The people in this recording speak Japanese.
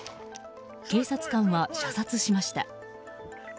警察官は射殺しました。